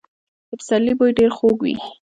د پسرلي بوی ډېر خوږ وي.